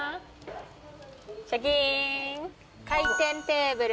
シャキン。